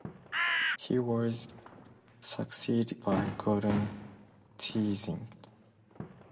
He was succeeded by Gordon Thiessen.